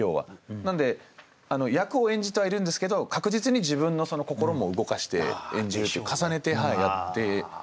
何で役を演じてはいるんですけど確実に自分の心も動かして演じるという重ねてやってる感じですかね。